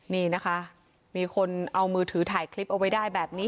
นี่นะคะมีคนเอามือถือถ่ายคลิปเอาไว้ได้แบบนี้